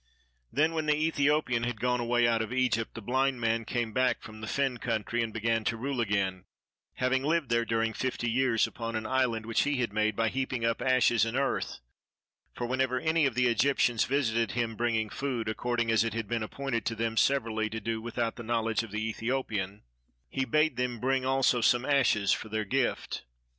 Then when the Ethiopian had gone away out of Egypt, the blind man came back from the fen country and began to rule again, having lived there during fifty years upon an island which he had made by heaping up ashes and earth: for whenever any of the Egyptians visited him bringing food, according as it had been appointed to them severally to do without the knowledge of the Ethiopian, he bade them bring also some ashes for their gift.